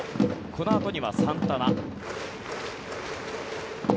このあとにはサンタナ。